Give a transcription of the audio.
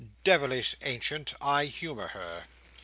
"Devilish ancient. I humour her."